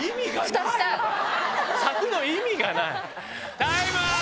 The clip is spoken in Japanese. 柵の意味がない。